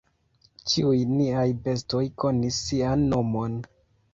Ĉiuj niaj bestoj konis sian nomon.